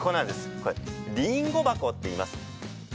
これ、りんご箱っていいます。